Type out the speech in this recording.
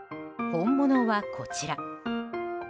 本物は、こちら。